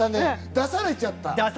出されちゃった！